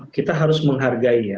kita harus menghargai